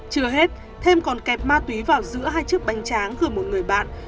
chưa hết thêm còn kẹp ma túy vào giữa hai chiếc bánh tráng gửi một người bạn